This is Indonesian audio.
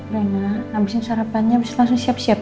rena abisin sarapannya abis itu langsung siap siap ya